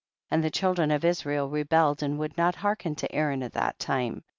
14. And the children of Israel re belled and would not hearken to Aa ron at that time.